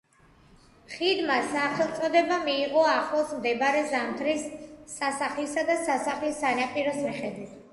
ხიდმა სახელწოდება მიიღო ახლოს მდებარე ზამთრის სასახლისა და სასახლის სანაპიროს მიხედვით.